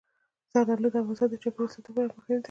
زردالو د افغانستان د چاپیریال ساتنې لپاره مهم دي.